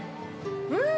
うん！